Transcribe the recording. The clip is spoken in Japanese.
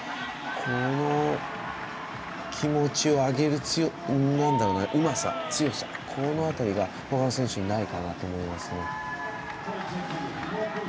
この気持ちを上げるうまさ、強さこの辺りが他の選手にないかなと思いますね。